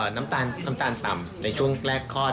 น้ำตาลต่ำในช่วงแรกคลอด